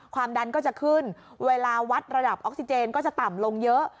ความดันก็จะขึ้นเวลาวัดระดับออกซิเจนก็จะต่ำลงเยอะ